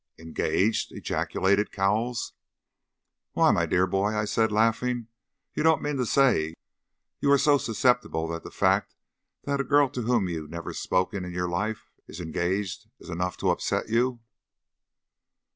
"Engaged!" ejaculated Cowles. "Why, my dear boy," I said, laughing, "you don't mean to say you are so susceptible that the fact that a girl to whom you never spoke in your life is engaged is enough to upset you?"